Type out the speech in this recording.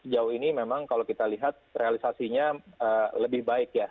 jauh ini memang kalau kita lihat realisasinya lebih baik ya